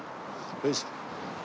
よいしょ。